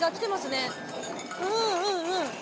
うんうんうん。